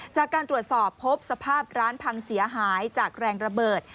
จากการตรวจสอบพบสภาพร้านพังเสียหายจากแรงระเบิด